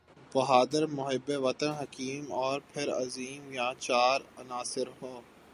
بہادر، محب وطن، حکیم اور پرعزم یہ چار عناصر ہوں۔